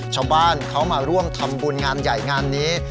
ชาวบ้านเขามาร่วมทำบุญงานใหญ่งานนี้